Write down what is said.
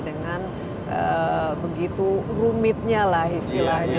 dengan begitu rumitnya lah istilahnya